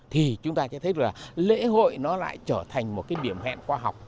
thì chúng ta sẽ thấy lễ hội nó lại trở thành một điểm hẹn khoa học